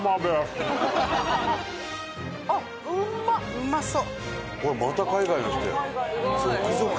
うまそう！